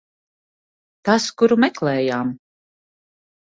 Tas, kuru meklējām.